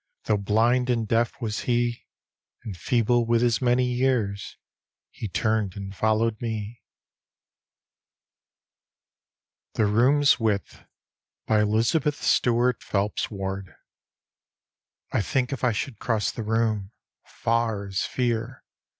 Though blind and deaf was he, And feeble with his many years, He turned and followed me. D,gt,, erihyGOOgle 144 The Haunted Hour THE ROOM'S WIDTH : Elizabeth stuart PHELPS WARD I think if I should cross the room, Far as fear.